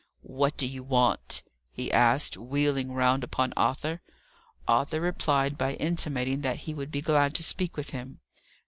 "What do you want?" he asked, wheeling round upon Arthur. Arthur replied by intimating that he would be glad to speak with him.